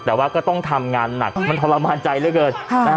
แต่ว่าก็ต้องทำงานหนักมันทรมานใจเหลือเกิน